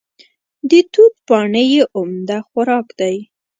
د توت پاڼې یې عمده خوراک دی.